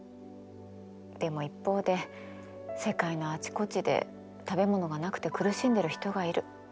でも一方で世界のあちこちで食べ物がなくて苦しんでる人がいる。